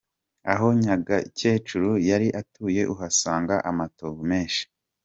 Aho Nyagakecuru yari atuye uhasanga amatovu menshi.